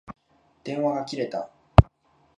電話が切れた。